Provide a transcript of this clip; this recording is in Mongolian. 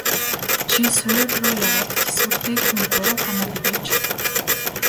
Чи суурь руу яваад тэсвэртэйхэн гурав хоноод ирээч.